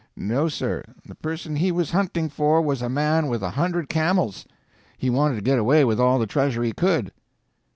No, sir, the person he was hunting for was a man with a hundred camels. He wanted to get away with all the treasure he could."